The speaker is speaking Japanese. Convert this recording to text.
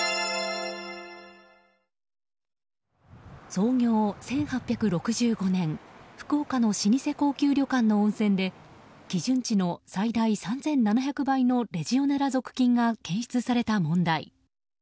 創業１８６５年福岡の老舗高級旅館の温泉で基準値のおよそ３７００倍のレジオネラ属菌が検出された問題。